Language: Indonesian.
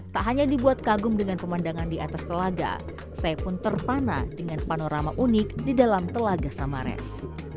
tak hanya dibuat kagum dengan pemandangan di atas telaga saya pun terpana dengan panorama unik di dalam telaga samares